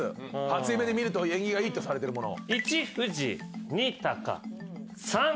初夢で見ると縁起がいいとされてるもの。